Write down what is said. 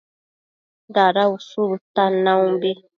Dada ushu bëtan naumbi